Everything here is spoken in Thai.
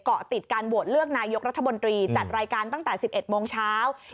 เกาะติดการโหวตเลือกนายกรัฐมนตรีจัดรายการตั้งแต่๑๑โมงเช้า